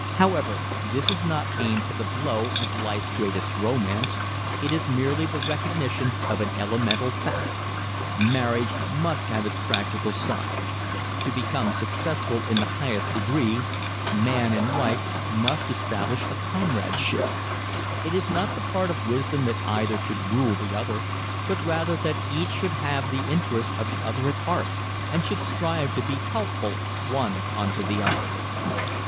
However, this is not aimed as a blow at life's greatest romance ... it is merely the recognition of an elemental fact.... Marriage must have its practical side. To become successful in the highest degree man and wife must establish a comradeship. It is not the part of wisdom that either should rule the other, but rather that each should have the interest of the other at heart and should strive to be helpful one unto the other.